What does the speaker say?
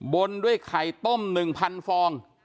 บนด้วยไข่ต้ม๑๐๐ฟอง